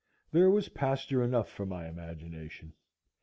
There was pasture enough for my imagination.